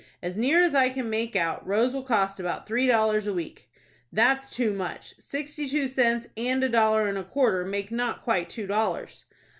"As near as I can make out, Rose will cost about three dollars a week." "That's too much. Sixty two cents and a dollar and a quarter make not quite two dollars."